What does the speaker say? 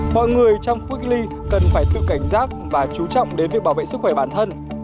mọi người trong khu cách ly cần phải tự cảnh giác và chú trọng đến việc bảo vệ sức khỏe bản thân